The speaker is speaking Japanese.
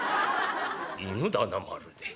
「犬だなまるで。